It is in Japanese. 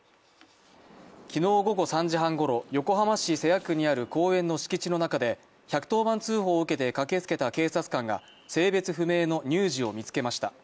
昨日午後３時半ごろ、横浜市瀬谷区にある公園の敷地の中で１１０番通報を受けて駆けつけた警察官が性別不明の乳児を見つけました。